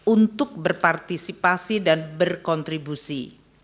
untuk berpartisipasi dan berkontribusi